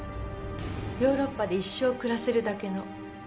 ヨーロッパで一生暮らせるだけの。